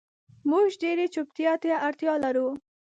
مونږ ډیرې چوپتیا ته اړتیا لرو